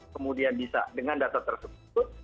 kemudian bisa dengan data tersebut